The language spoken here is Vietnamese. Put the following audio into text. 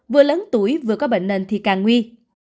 vừa lớn tuổi vừa có bệnh nền thì càng nguy